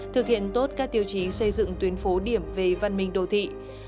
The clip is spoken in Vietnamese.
thực hiện tốt các tiêu chí xây dựng tuyến phố điểm về văn minh đô thị